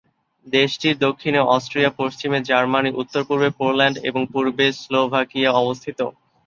দেশটির দক্ষিণে অস্ট্রিয়া, পশ্চিমে জার্মানি, উত্তর-পূর্বে পোল্যান্ড এবং পূর্বে স্লোভাকিয়া অবস্থিত।